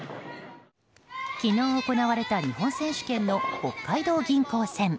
昨日行われた日本選手権の北海道銀行戦。